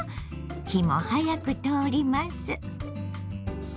火も早く通ります。